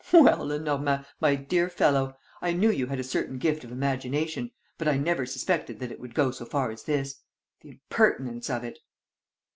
Well, Lenormand, my dear fellow, I knew you had a certain gift of imagination, but I never suspected that it would go so far as this! The impertinence of it!"